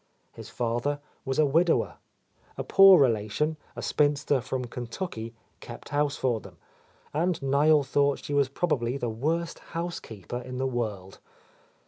His father was a widower. A poor relation, a spin ster from Kentucky, kept house for them, and Niel thought she was probably the worst house keeper in the world.